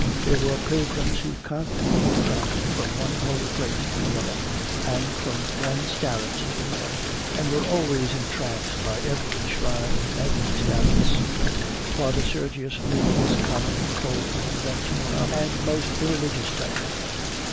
There were pilgrims who constantly tramped from one holy place to another and from one starets to another, and were always entranced by every shrine and every starets. Father Sergius knew this common, cold, conventional, and most irreligious type.